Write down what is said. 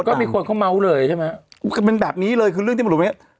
ก็มีคนเขาเมาส์เลยใช่ไหมเป็นแบบนี้เลยคือเรื่องที่บุรุษไหม